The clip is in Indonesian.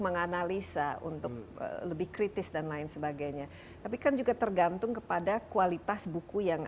menganalisa untuk lebih kritis dan lain sebagainya tapi kan juga tergantung kepada kualitas buku yang